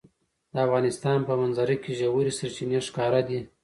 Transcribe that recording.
د افغانستان په منظره کې ژورې سرچینې ښکاره ده.